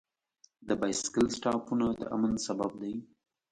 د بایسکل سټاپونه د امن سبب دی.